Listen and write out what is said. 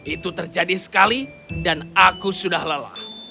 itu terjadi sekali dan aku sudah lelah